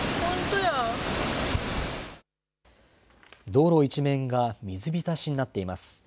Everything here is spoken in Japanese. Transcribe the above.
道路一面が水浸しになっています。